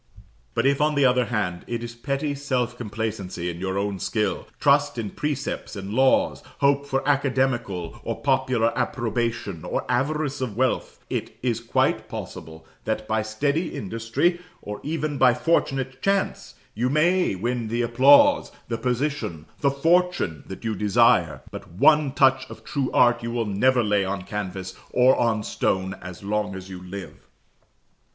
But if, on the other hand, it is petty self complacency in your own skill, trust in precepts and laws, hope for academical or popular approbation, or avarice of wealth, it is quite possible that by steady industry, or even by fortunate chance, you may win the applause, the position, the fortune, that you desire; but one touch of true art you will never lay on canvas or on stone as long as you live.